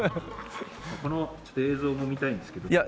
その映像も見たいんですけど。